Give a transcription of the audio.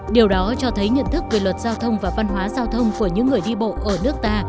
điều đó cho thấy nhận thức về luật giao thông và văn hóa giao thông của những người đi bộ ở nước ta